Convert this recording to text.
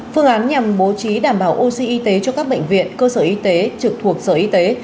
phương án nhằm bố trí đảm bảo oxy y tế cho các bệnh viện cơ sở y tế trực thuộc sở y tế